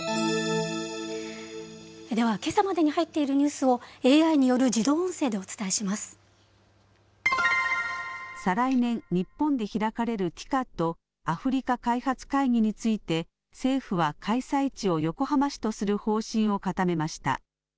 では、けさまでに入っているニュースを、ＡＩによる自動音声でお再来年、日本で開かれるＴＩＣＡＤ・アフリカ開発会議について、政府は開催地を横浜市とする方針を固めました。